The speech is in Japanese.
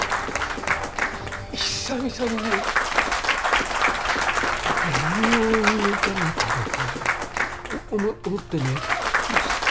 久々にね病院を見ようかなと思っ思ってね。